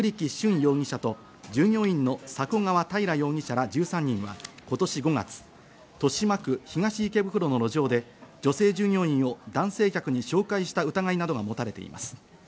容疑者と従業員のさこ川たいら容疑者ら１３人は今年５月、豊島区東池袋の路上で、女性従業員を男性客に紹介した疑いなどが持たれています。